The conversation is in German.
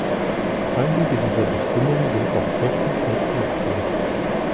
Einige dieser Bestimmungen sind auch technisch nicht machbar.